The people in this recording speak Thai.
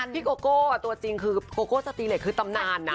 พี่โกโก้ตัวจริงคือโกโก้สตีเหล็กคือตำนานนะ